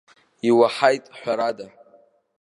Иуаҳаит, ҳәарада.